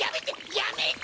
やめて！